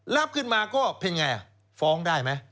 รับขึ้นมาก็เป็นไงฟ้องได้ไหม